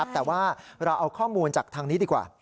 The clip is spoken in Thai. แต่ว่าเราเอาข้อมูลจากทางนี้ดีกว่า